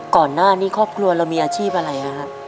ก่อนหน้านี่ครอบครัวเรามีอาชีพอะไรอ่ะ